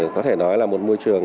có thể nói là một môi trường